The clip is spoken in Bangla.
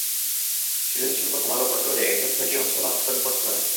সৃজনশীল প্রশ্নে ভালো করতে হলে একে ছয়টি অংশে ভাগ করে পড়তে হয়।